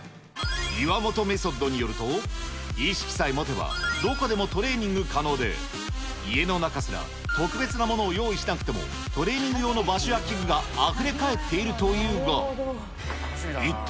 岩本メソッドによると、意識さえ持てば、どこでもトレーニング可能で、家の中すら特別なものを用意しなくても、トレーニング用の場所や器具があふれかえっているというが。